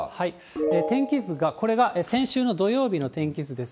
天気図が、これが先週の土曜日の天気図です。